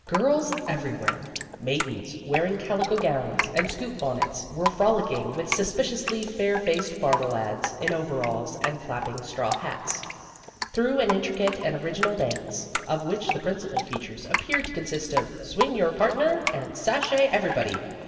Girls everywhere ! Maidens, wearing cal ico gowns and scoop bonnets, were frol icking with suspiciously fair faced farmer lads, in overalls and flapping straw hats, through an intricate and original dance, of which the principal features appeared to consist of " Swing your partner," and "Sashay, everybody!"